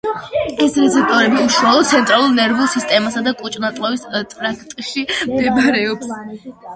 ეს რეცეპტორები უშუალოდ ცენტრალურ ნერვულ სისტემასა და კუჭ-ნაწლავის ტრაქტში მდებარეობს.